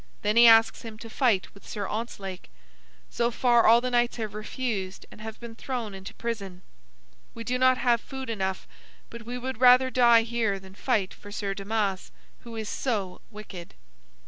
Then he asks him to fight with Sir Ontzlake. So far, all the knights have refused, and have been thrown into prison. We do not have food enough, but we would rather die here than fight for Sir Damas, who is so wicked."